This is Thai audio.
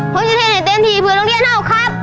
ผมจะเล่นให้เต็มที่เพื่อโรงเรียนเอาครับ